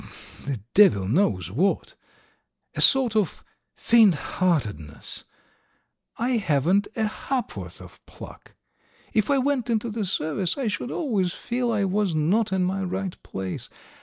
. the devil knows what, a sort of faintheartedness, I haven't a ha'p'orth of pluck. If I went into the Service I should always feel I was not in my right place.